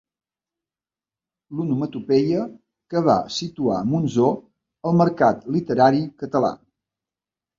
L'onomatopeia que va situar Monzó al mercat literari català.